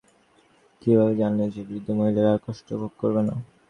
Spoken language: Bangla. কীভাবে জানলে যে বৃদ্ধ মহিলারা আর কষ্টভোগ করবে না?